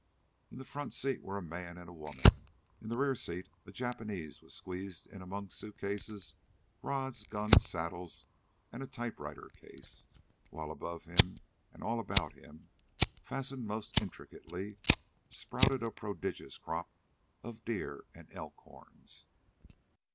In the front seat were a man and woman; in the rear seat a Japanese was squeezed in among suit cases, rods, guns, saddles, and a typewriter case, while above him and all about him, fastened most intricately, sprouted a prodigious crop of deer and elk horns.